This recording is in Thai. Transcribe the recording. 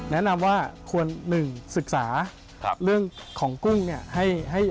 แนะนำว่าควร๑ศึกษาเรื่องของกุ้งเนี่ย